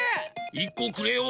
１こくれよ。